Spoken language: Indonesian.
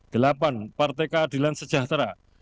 delapan partai keadilan sejahtera